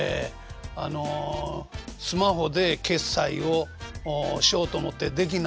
あのスマホで決済をしようと思ってできない。